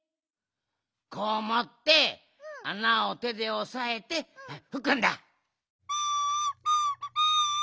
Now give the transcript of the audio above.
こうもってあなをてでおさえてふくんだ。